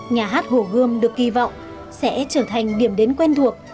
nhà hát hổ gươm được hy vọng sẽ trở thành điểm đến quen thuộc